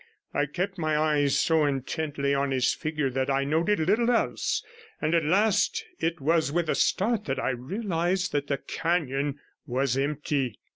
I kept my eyes so intently on his figure that I noted little else, and at last it was with a start that I realized that the canon was empty.